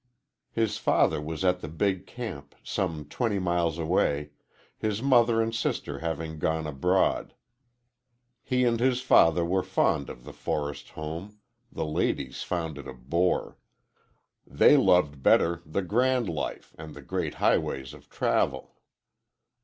His father was at the big camp, some twenty miles away, his mother and sister having gone abroad. He and his father were fond of their forest home; the ladies found it a bore. They loved better the grand life and the great highways of travel.